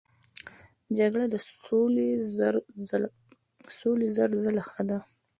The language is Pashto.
جګړه له سولې زر ځله ښه ده.